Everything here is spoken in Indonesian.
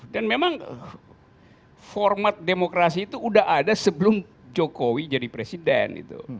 dan memang format demokrasi itu sudah ada sebelum jokowi jadi presiden